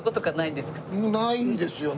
ないですよね。